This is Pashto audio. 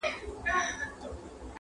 په جنګ وتلی د ټولي مځکي!